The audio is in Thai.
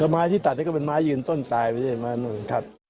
ไม้ที่ตัดนี่ก็เป็นไม้ยืนต้นตายไม่ใช่ไหม